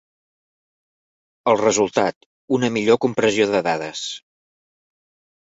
El resultat, una millor compressió de dades.